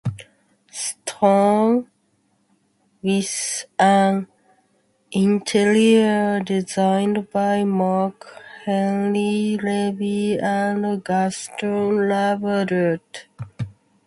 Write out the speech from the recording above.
Stone, with an interior designed by Marc-Henri Levy and Gaston Laverdet.